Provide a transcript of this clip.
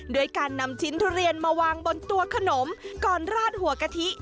ด้วยการนำชิ้นทุเรียนมาวางบนตัวขนมก่อนราดหัวกะทิ